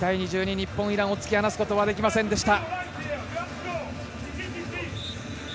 日本、イランを突き放すことはできませんでした。